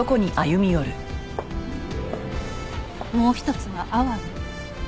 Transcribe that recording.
「もう一つはアワビ」。